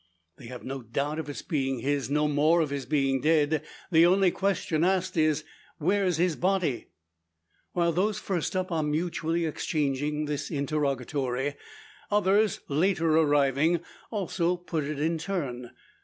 They have no doubt of its being his, no more of his being dead; the only question asked is "Where's his body?" While those first up are mutually exchanging this interrogatory, others, later arriving, also put it in turn.